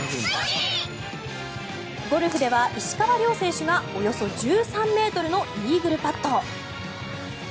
ゴルフでは石川遼選手がおよそ１３ｍのイーグルパット。